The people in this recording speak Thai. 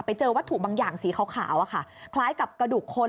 ไปเจอวัตถุบางอย่างสีขาวคล้ายกับกระดูกคน